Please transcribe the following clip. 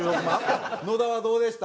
野田はどうでした？